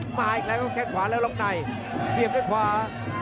ตุกมาอีกแล้วก็แค่ขวาแล้วลงในเสียบด้วยขวา